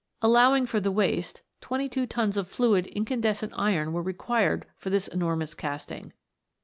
Allowing for the waste, twenty two tons of fluid incandescent iron were required for this enormous casting.